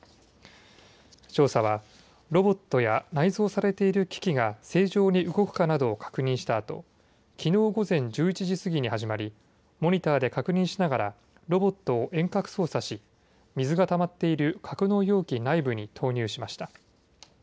調査はロボットや内蔵されている機器が正常に動くかなどを確認したあときのう午前１１時過ぎに始まりモニターで確認しながらロボットを遠隔操作し水がたまっている格納容器内部に投入しました。